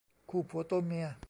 คู่ผัวตัวเมีย